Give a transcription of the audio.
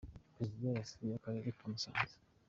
perezida yasuye akarere ka musanze.